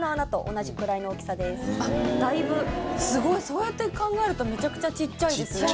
そうやって考えるとめちゃくちゃちっちゃいですね。